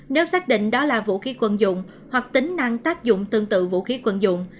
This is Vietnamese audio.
nếu xác định đó là vũ khí quân dụng hoặc tính năng tác dụng tương tự vũ khí quân dụng